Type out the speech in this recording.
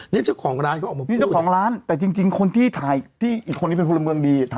นี่จักรยานแถวหลุดค่ะ